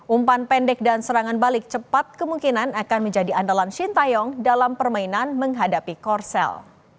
umpan pendek dan serangan balik cepat kemungkinan akan menjadi andalan shin taeyong dalam permainan menghadapi korsel